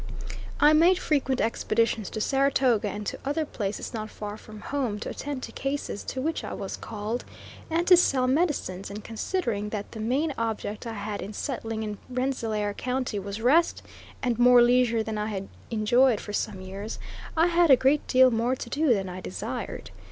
I made frequent expeditions to Saratoga and to other places not far from home to attend to cases to which I was called, and to sell medicines; and considering that the main object I had in settling in Rensselaer County was rest and more leisure than I had enjoyed for some years, I had a great deal more to do than I desired.